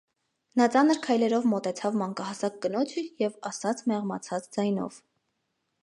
Նա ծանր քայլերով մոտեցավ մանկահասակ կնոջն և ասաց մեղմացած ձայնով.